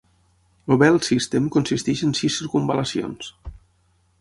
El Belt System consisteix en sis circumval·lacions.